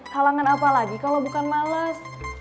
halangan apa lagi kalau bukan males